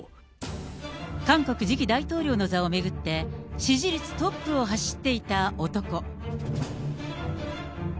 韓国次期大統領の座を巡って、支持率トップを走っていた男。